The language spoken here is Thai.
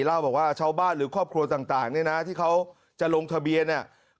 เล่าบอกว่าชาวบ้านหรือครอบครัวต่างเนี่ยนะที่เขาจะลงทะเบียนเนี่ย